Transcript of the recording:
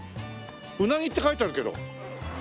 うなぎって書いてあるけど。